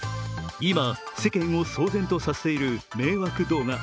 今、世間を騒然とさせている迷惑動画。